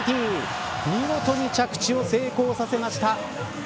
見事に着地を成功させました。